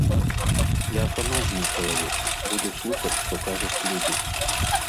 Я камандны чалавек, буду слухаць, што кажуць людзі.